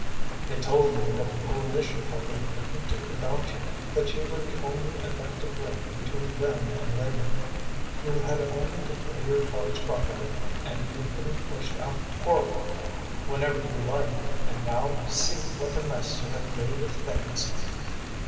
They told me that the Coalition Party couldn't do without you, that you were the only effective link between them and Labour. You had only to play your cards properly and you could have pushed out Horlock whenever you liked. And now see what a mess you have made of things!